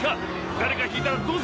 誰かひいたらどうする！